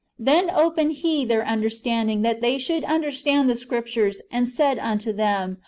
Then opened He their understanding, that they should understand the Scriptures, and said unto them.